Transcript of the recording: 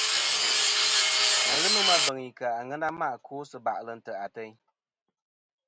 Aghɨ nomɨ a beŋ i ka àŋena ma' ɨkwo sɨ bà'lɨ ntè' ateyn.